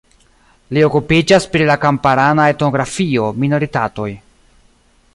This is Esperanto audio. Li okupiĝas pri la kamparana etnografio, minoritatoj.